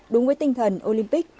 đúng với tinh thần olympic